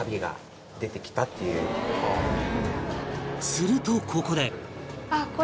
するとここで